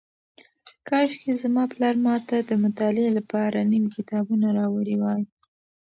کاشکې زما پلار ماته د مطالعې لپاره نوي کتابونه راوړي وای.